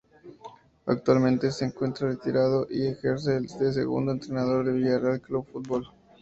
Actualmente se encuentra retirado y ejerce de segundo entrenador del Villarreal Club de Fútbol.